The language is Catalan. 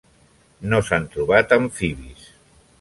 No s'han trobat amfibis.